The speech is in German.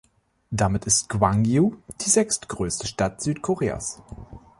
Damit ist Gwangju die sechstgrößte Stadt Südkoreas.